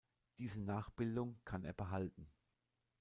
Diese Nachbildung kann er behalten.